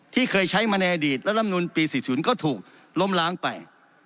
ที่เคยใช้มาในอดีตและรำนูลปี๔๐ก็ถูกล้มล้างไป